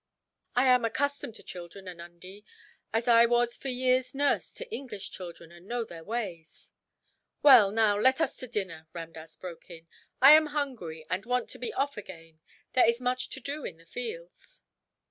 "I am accustomed to children, Anundee, as I was for years nurse to English children, and know their ways." "Well, now let us to dinner," Ramdass broke in. "I am hungry, and want to be off again. There is much to do in the fields."